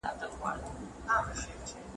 انسان په خپلو غوښتنو کي ړوند وي.